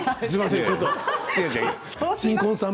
すみません